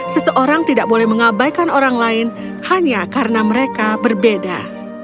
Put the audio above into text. seseorang tidak boleh mengabaikan orang lain hanya karena mereka berbeda